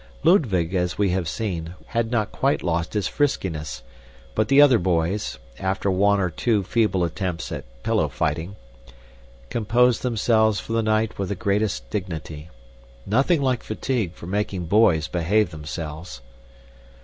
Ludwig, as we have seen, had not quite lost his friskiness, but the other boys, after one or two feeble attempts at pillow firing, composed themselves for the night with the greatest dignity. Nothing like fatigue for making boys behave themselves!